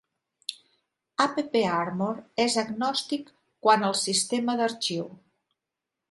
AppArmor es agnòstic quant el sistema d'arxiu.